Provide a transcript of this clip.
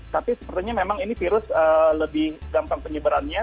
tapi sepertinya memang ini virus lebih gampang penyebarannya